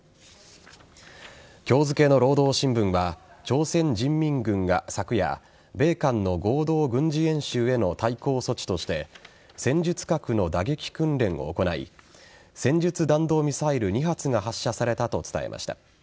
今日付の労働新聞は朝鮮人民軍が昨夜米韓の合同軍事演習への対抗措置として戦術核の打撃訓練を行い戦術弾道ミサイル２発が発射されたと伝えました。